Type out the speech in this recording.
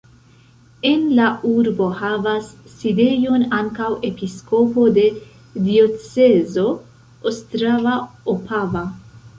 En la urbo havas sidejon ankaŭ episkopo de diocezo ostrava-opava.